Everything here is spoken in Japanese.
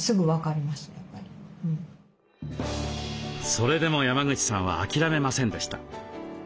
それでも山口さんは諦めませんでした。